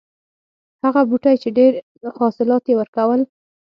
هغه بوټی چې ډېر حاصلات یې ورکول.